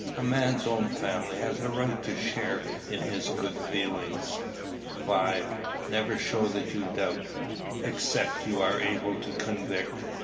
A man's own family has a right to share in his good feelings. 5. Never show that you doubt, except you are able to convict.